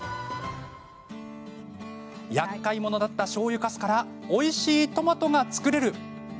やっかいものだったしょうゆかすからおいしいトマトが作れる。